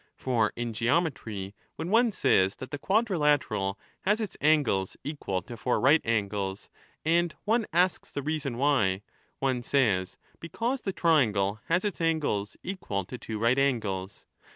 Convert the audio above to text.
For in geometry, when one says that the quadrilateral has 10 its angles equal to four right angles, and one asks the reason why, one says, * Because the triangle has its angles equal to two right angles.'